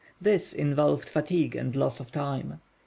This involved fatigue and loss of time.